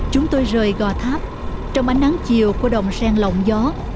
chúng tôi rời gò tháp trong ánh nắng chiều của đồng sen lộng gió